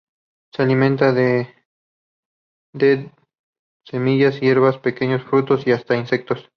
Se alimenta de de semillas, hierbas, pequeños frutos y hasta de insectos.